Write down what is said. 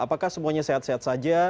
apakah semuanya sehat sehat saja